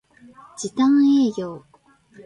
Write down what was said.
時短営業